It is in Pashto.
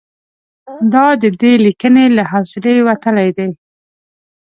دا د دې لیکنې له حوصلې وتلي دي.